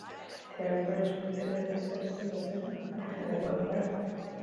They are brought every Easter to be consecrated afresh in the bonfire.